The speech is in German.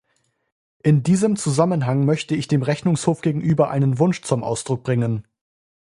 In diesem Zusammenhang möchte ich dem Rechnungshof gegenüber einen Wunsch zum Ausdruck bringen.